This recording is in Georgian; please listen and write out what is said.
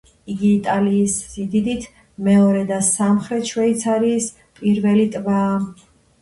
იგი იტალიის სიდიდით მეორე და სამხრეთ შვეიცარიის პირველი ტბაა.